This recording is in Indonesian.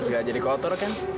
segak jadi kotor kan